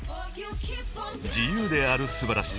［自由である素晴らしさ